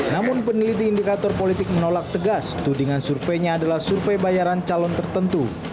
namun peneliti indikator politik menolak tegas tudingan surveinya adalah survei bayaran calon tertentu